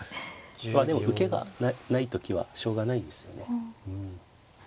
まあでも受けがない時はしょうがないんですよね。